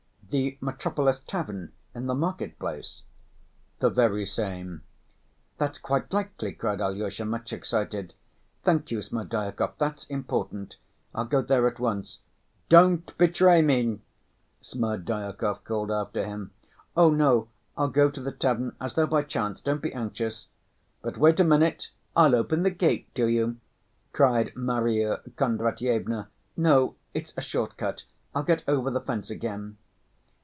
"The Metropolis tavern in the market‐place?" "The very same." "That's quite likely," cried Alyosha, much excited. "Thank you, Smerdyakov; that's important. I'll go there at once." "Don't betray me," Smerdyakov called after him. "Oh, no, I'll go to the tavern as though by chance. Don't be anxious." "But wait a minute, I'll open the gate to you," cried Marya Kondratyevna. "No; it's a short cut, I'll get over the fence again."